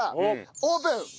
オープン！